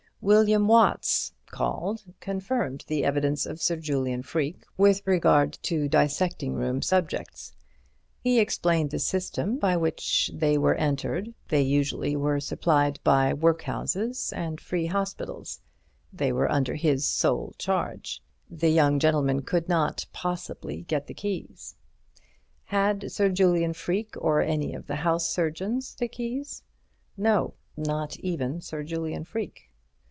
William Watts, called, confirmed the evidence of Sir Julian Freke with regard to dissecting room subjects. He explained the system by which they were entered. They usually were supplied by the workhouses and free hospitals. They were under his sole charge. The young gentlemen could not possibly get the keys. Had Sir Julian Freke, or any of the house surgeons, the keys? No, not even Sir Julian Freke.